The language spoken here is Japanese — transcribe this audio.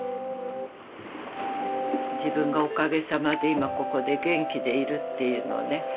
自分がおかげさまで今ここで元気でいるっていうのはね